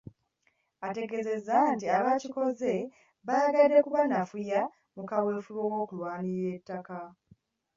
Ategeeza nti abaakikoze baayagadde kubanafuya mu kaweefube w'okulirwanirira ettaka.